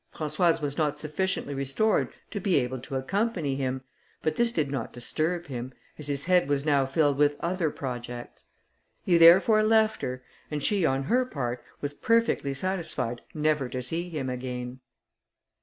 Françoise was not sufficiently restored to be able to accompany him, but this did not disturb him, as his head was now filled with other projects. He therefore left her, and she, on her part, was perfectly satisfied never to see him again.